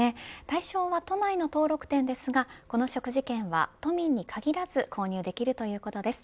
対象は都内の登録店ですがこの食事券は都民に限らず購入できるということです。